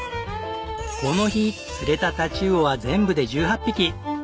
この日釣れた太刀魚は全部で１８匹。